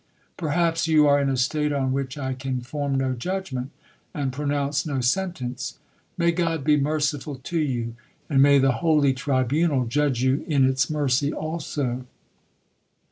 Perhaps you are in a state on which I can form no judgment, and pronounce no sentence. May God be merciful to you, and may the holy tribunal judge you in its mercy also.'